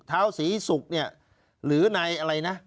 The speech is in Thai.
เท้าศรีศุกร์เนี่ยหรือในอะไรนะ